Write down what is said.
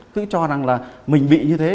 cứ cho rằng là mình bị như thế